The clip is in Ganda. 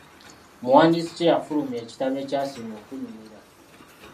Muwandiisi ki eyafulumya ekitabo ekyasinga okunnyumira.